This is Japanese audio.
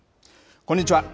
こんにちは。